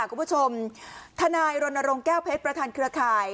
ทนายรณรงค์แก้วเพชรประธานเครือข่าย